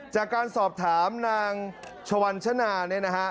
จากการสอบถามนางชวัญชนาเนี่ยนะฮะ